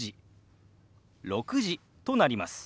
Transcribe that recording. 「５時」「６時」となります。